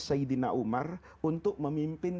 sayyidina umar untuk memimpin